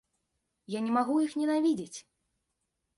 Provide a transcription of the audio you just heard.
Я не магу іх ненавідзець!